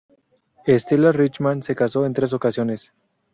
Stella Richman se casó en tres ocasiones.